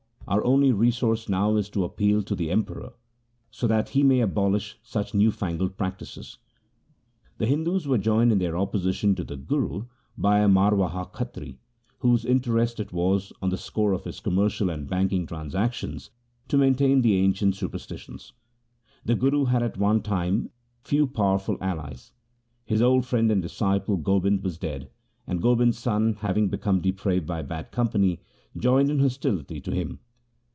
Our only resource now is to appeal to the Emperor, so that he may abolish such new fangled practices.' The Hindus were joined in their opposition to the Guru by a Marwaha Khatri, whose interest it was, on the score of his commercial and banking trans actions, to maintain the ancient superstitions. The Guru had at that time few powerful allies. His old friend and disciple Gobind was dead, and Gobind's son, having become depraved by bad company, joined in hostility to him.